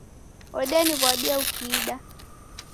Odeniw'adia ukidaa